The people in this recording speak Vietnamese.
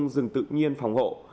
rừng tự nhiên phòng hộ